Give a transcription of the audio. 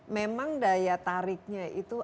memang daya tariknya itu